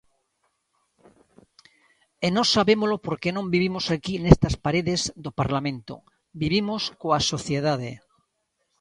E nós sabémolo porque non vivimos aquí nestas paredes do Parlamento, vivimos coa sociedade.